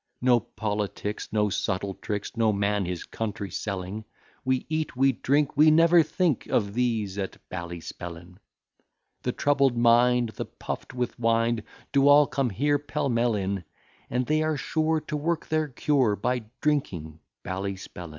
No politics, no subtle tricks, No man his country selling: We eat, we drink; we never think Of these at Ballyspellin. The troubled mind, the puff'd with wind, Do all come here pell mell in; And they are sure to work their cure By drinking Ballyspellin.